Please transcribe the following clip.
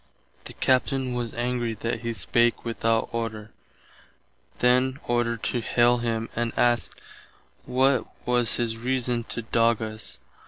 The Captain was angry that he spake without order, then ordered to haile him and askt what was his reason to dogg us.